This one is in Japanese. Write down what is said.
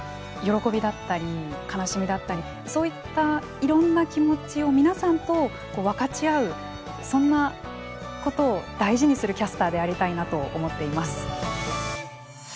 喜びだったり悲しみだったりそういったいろんな気持ちを皆さんと分かち合うそんなことを大事にするキャスターでありたいなと思っています。